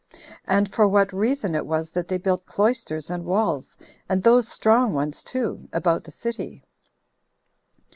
and for what reason it was that they built cloisters and walls, and those strong ones too, about the city?